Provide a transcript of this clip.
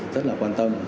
rất là quan tâm